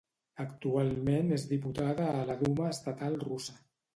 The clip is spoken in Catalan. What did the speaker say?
Actualment és diputada a la Duma Estatal russa.